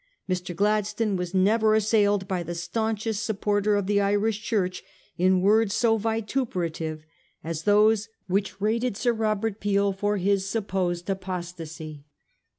Mr. Gladstone was never assailed by the staunchest supporter of the Irish Church in words so vituperative as those which rated Sir Robert Peel for his supposed apostacy.